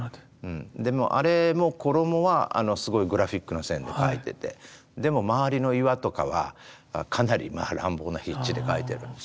あれも衣はすごいグラフィックな線で描いててでも周りの岩とかはかなりまあ乱暴な筆致で描いてるんですよね。